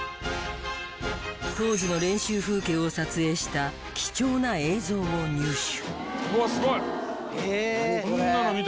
当時の練習風景を撮影した貴重な映像を入手。